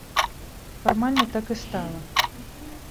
Фармальна так і стала.